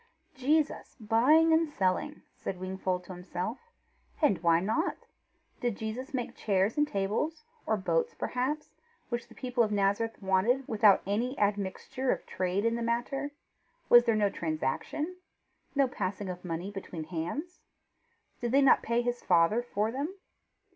"Jesus buying and selling!" said Wingfold to himself. "And why not? Did Jesus make chairs and tables, or boats perhaps, which the people of Nazareth wanted, without any admixture of trade in the matter? Was there no transaction? No passing of money between hands? Did they not pay his father for them?